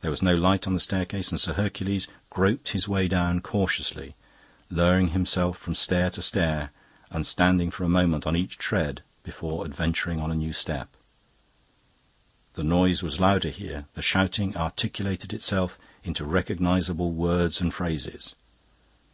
There was no light on the staircase, and Sir Hercules groped his way down cautiously, lowering himself from stair to stair and standing for a moment on each tread before adventuring on a new step. The noise was louder here; the shouting articulated itself into recognisable words and phrases.